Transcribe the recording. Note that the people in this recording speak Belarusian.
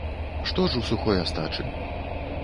Што ж у сухой астачы?